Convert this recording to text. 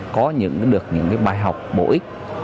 có được những cái bài học bổ ích